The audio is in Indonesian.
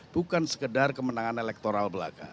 bukan sekedar kemenangan elektoral belaka